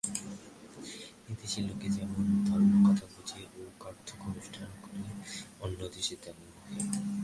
এদেশে লোকে যেমন ধর্মকথা বুঝে ও কার্যত ধর্মানুষ্ঠান করে, অন্যদেশে তেমন নহে।